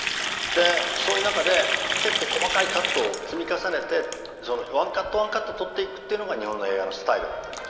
でそういう中で結構細かいカットを積み重ねてワンカットワンカット撮っていくっていうのが日本の映画のスタイルだったわけですよね。